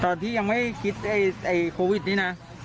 ตอนที่ยังไม่คิดเอ่ยเอ่ยโควิดนี้น่ะ